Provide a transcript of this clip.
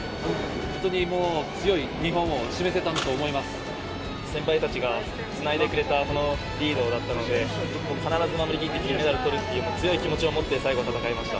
本当にもう、強い日本を示せたと先輩たちがつないでくれたこのリードだったので、必ず守り切って、金メダルをとるっていう強い気持ちを持って、最後、戦いました。